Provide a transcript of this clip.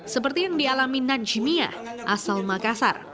seperti yang dialami najmiah asal makassar